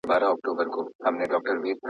زه به سبا لیکل کوم!